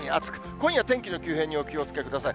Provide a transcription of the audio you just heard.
今夜、天気の急変にお気をつけください。